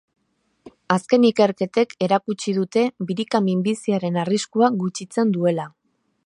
Azken ikerketek erakutsi dute birika minbiziaren arriskua gutxitzen duela.